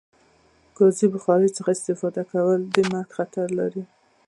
د کازی بخاری څخه استفاده د مرګ خطر لری